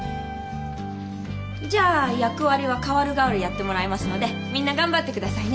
じゃあ役割は代わる代わるやってもらいますのでみんな頑張ってくださいね。